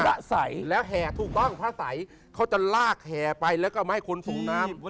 พระใสแล้วแห่ถูกต้องพระสัยเขาจะลากแห่ไปแล้วก็เอามาให้คนสูบน้ำ